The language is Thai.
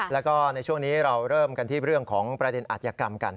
แล้วก็ในช่วงนี้เราเริ่มกันที่เรื่องของประเด็นอาจยกรรมกัน